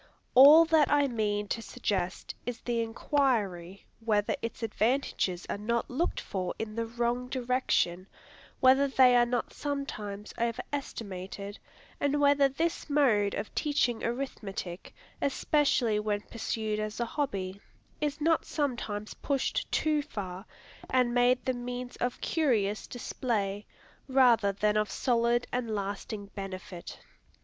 All that I mean to suggest is the inquiry, whether its advantages are not looked for in the wrong direction, whether they are not sometimes over estimated, and whether this mode of teaching arithmetic, especially when pursued as a hobby, is not sometimes pushed too far, and made the means of curious display, rather than of solid and lasting benefit.